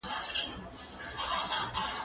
دا سينه سپينه له هغه پاکه ده!؟